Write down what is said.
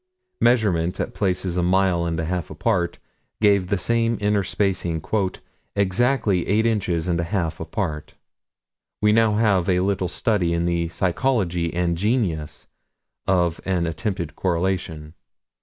Measurements at places a mile and a half apart, gave the same inter spacing "exactly eight inches and a half apart." We now have a little study in the psychology and genesis of an attempted correlation.